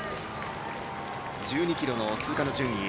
１２ｋｍの通過の順位